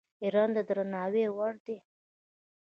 ایران د درناوي وړ دی.